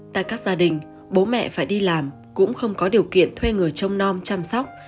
tại các gia đình bố mẹ phải đi làm cũng không có điều kiện thuê người trông non chăm sóc